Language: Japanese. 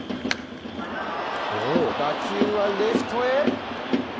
打球はレフトへ。